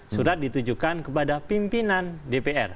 surat ditujukan kepada pimpinan dpr